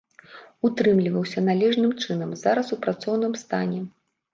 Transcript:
Утрымліваўся належным чынам, зараз у працоўным стане.